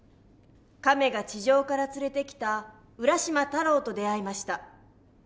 カメが地上から連れてきた浦島太郎と出会いました。